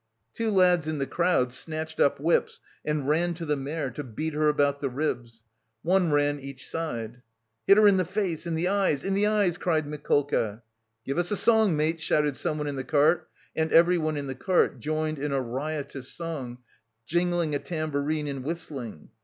Two lads in the crowd snatched up whips and ran to the mare to beat her about the ribs. One ran each side. "Hit her in the face, in the eyes, in the eyes," cried Mikolka. "Give us a song, mates," shouted someone in the cart and everyone in the cart joined in a riotous song, jingling a tambourine and whistling.